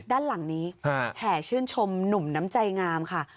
ด้านหลังนี้แห่ชื่นชมหนุ่มน้ำใจงามค่ะ